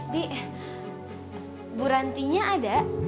bi bu rantinya ada